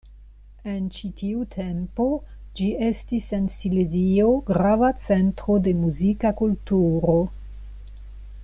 En ĉi tiu tempo ĝi estis en Silezio grava centro de muzika kulturo.